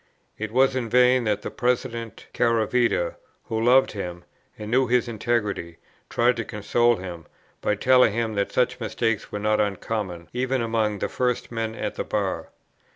It was in vain that the President Caravita, who loved him, and knew his integrity, tried to console him, by telling him that such mistakes were not uncommon, even among the first men at the bar.